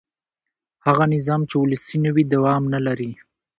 هغه نظام چې ولسي نه وي دوام نه لري